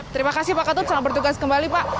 terima kasih pak katut selamat bertugas kembali pak